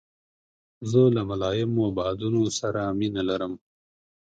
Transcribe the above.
زه له ملایمو بادونو سره مینه لرم.